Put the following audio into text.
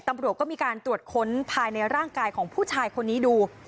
ตำรวจก็มีการตรวจค้นภายในร่างกายของผู้ชายคนนี้ดู